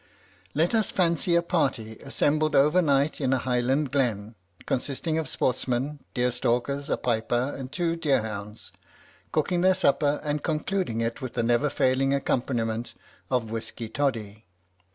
Let us fancy a party assembled over night in a Highland glen, consisting of sportsmen, deer stalkers, a piper and two deer hounds, cooking their supper, and concluding it with the never failing accompaniment of whisky toddy.